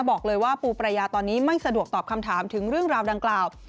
บอกว่าปูประยาตอนนี้ไม่สะดวกตอบคำถามถึงเรื่องราวดังกล่าว